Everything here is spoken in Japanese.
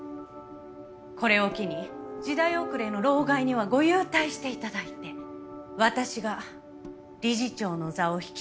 これを機に時代遅れの老害にはご勇退して頂いて私が理事長の座を引き継ぎます。